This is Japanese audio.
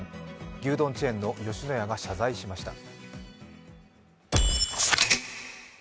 牛丼チェーンの吉野家が謝罪しました。